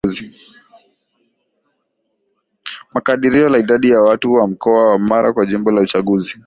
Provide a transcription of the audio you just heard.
Makadirio ya Idadi ya Watu ya Mkoa wa Mara kwa Jimbo la Uchaguzi